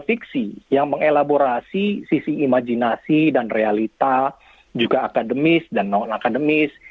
fiksi yang mengelaborasi sisi imajinasi dan realita juga akademis dan non akademis